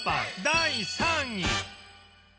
第３位